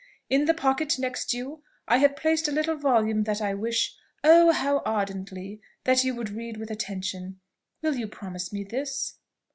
In the pocket next you I have placed a little volume that I wish oh, how ardently! that you would read with attention. Will you promise me this?"